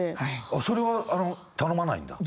それはあの頼まないんだ。